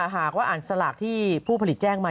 หากว่าอ่านสลากที่ผู้ผลิตแจ้งมา